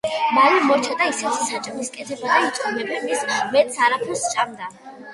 მალე მორჩა და ისეთი საჭმლის კეთება დაიწყო, მეფე მის მეტს აღარაფერს სჭამდა.